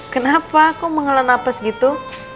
kenapa kok mengelan nafas gitu